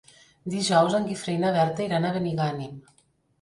Dijous en Guifré i na Berta iran a Benigànim.